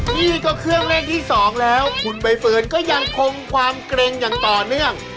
นี่ก็เครื่องเล่นที่สองแล้วคุณใบเฟิร์นก็ยังคงความเกร็งอย่างต่อเนื่อง